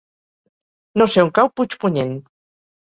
No sé on cau Puigpunyent.